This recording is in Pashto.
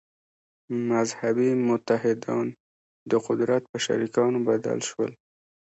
«مذهبي متحدان» د قدرت په شریکانو بدل شول.